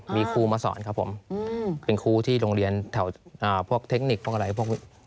มีครูมาสอนครับผมเป็นครูที่โรงเรียนแถวพวกเทคนิคพวกอะไรพวกนี้